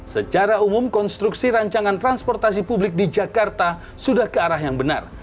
secara umum konstruksi rancangan transportasi publik di jakarta sudah ke arah yang benar